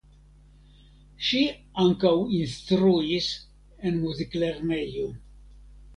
Ŝi ankaŭ instruis en muziklernejo.